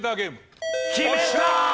決めたー！